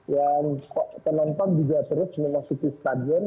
yang penonton juga terus mau masuk ke stadion